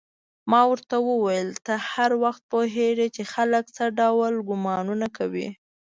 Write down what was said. ما ورته وویل: ته هر وخت پوهېږې چې خلک څه ډول ګومانونه کوي؟